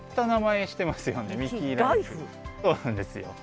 そうなんですよ。